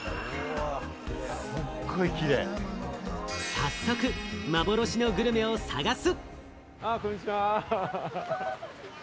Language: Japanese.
早速、幻のグルメを探す。